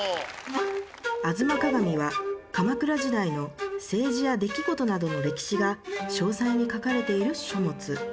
『吾妻鏡』は鎌倉時代の政治や出来事などの歴史が詳細に書かれている書物。